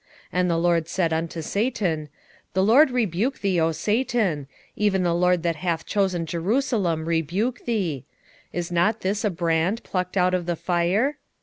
3:2 And the LORD said unto Satan, The LORD rebuke thee, O Satan; even the LORD that hath chosen Jerusalem rebuke thee: is not this a brand plucked out of the fire?